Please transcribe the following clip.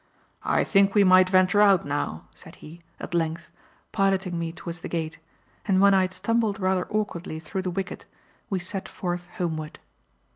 "I think we might venture out now," said he, at length, piloting me towards the gate, and when I had stumbled rather awkwardly through the wicket, we set forth homeward.